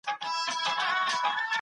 لس منفي دوه؛ اته پاته کېږي.